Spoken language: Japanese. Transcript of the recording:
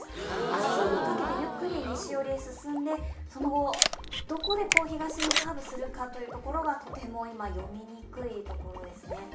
明日にかけてゆっくり西寄りに進んで、その後、どこで東にカーブするかというのがとても今読みにくいところですね。